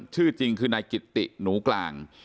ชื่อจริงคือนายกิตติหนูกลาง